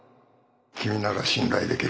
君なら信頼できる。